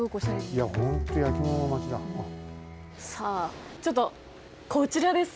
さあちょっとこちらです。